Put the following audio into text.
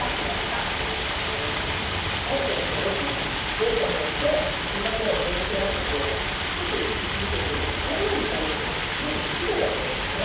根拠の乏しいデータによって、群馬県をこうしてなんかこう、低く位置づけている、県民に対してすごく失礼だと思いますよね。